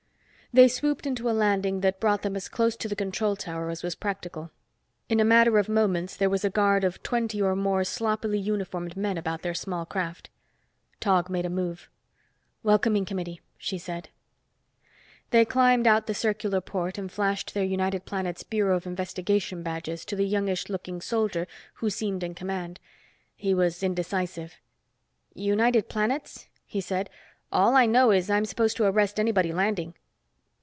They swooped into a landing that brought them as close to the control tower as was practical. In a matter of moments there was a guard of twenty or more sloppily uniformed men about their small craft. Tog made a move. "Welcoming committee," she said. They climbed out the circular port, and flashed their United Planets Bureau of Investigation badges to the youngish looking soldier who seemed in command. He was indecisive. "United Planets?" he said. "All I know is I'm supposed to arrest anybody landing."